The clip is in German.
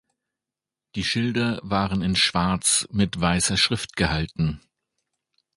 Die Schilder waren in Schwarz mit weisser Schrift gehalten.